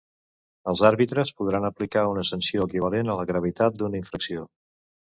Els àrbitres podran aplicar una sanció equivalent a la gravetat d'una infracció.